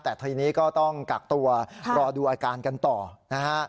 แต่ทีนี้ก็ต้องกักตัวรอดูอาการกันต่อนะฮะ